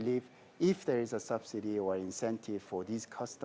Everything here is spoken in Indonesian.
saya percaya jika ada subsidi atau insentif untuk pelanggan ini